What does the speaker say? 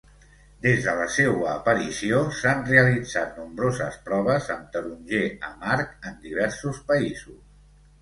Des de la seua aparició s'han realitzat nombroses proves amb taronger amarg en diversos països.